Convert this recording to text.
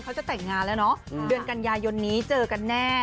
เขาจะแต่งงานแล้วเนาะเดือนกันยายนนี้เจอกันแน่